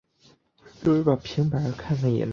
伦索伊斯是巴西巴伊亚州的一个市镇。